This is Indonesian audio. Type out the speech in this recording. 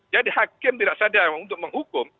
jadi hakim tidak saja untuk menghukum